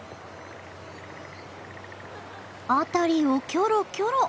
辺りをキョロキョロ。